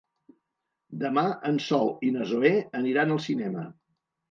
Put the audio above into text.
Demà en Sol i na Zoè aniran al cinema.